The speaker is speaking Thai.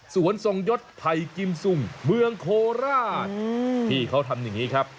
ทรงยศไผ่กิมซุงเมืองโคราชพี่เขาทำอย่างนี้ครับ